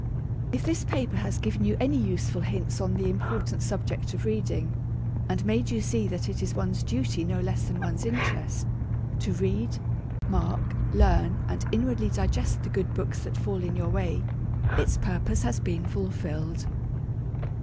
If this paper has given you any useful hints on the important subject of reading, and made you see that it is one's duty no less than one's interest to 'read, mark, learn, and inwardly digest' the good books that fall in your way, its purpose will be fulfilled.